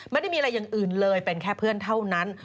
ไม่ได้มีอะไรอย่างอื่นเลยเป็นแค่เพื่อนเท่านั้น